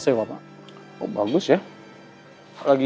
selamat bertambah usia ya